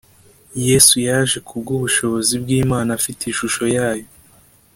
” Yesu yaje kubw’ubushobozi bw’Imana, afite ishusho yayo